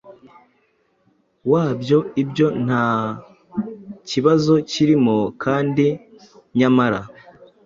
wabyo ibyo nta kibazo kirimo, kandi nyamara